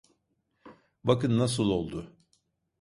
Bakın nasıl oldu…